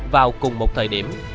vào cùng một thời điểm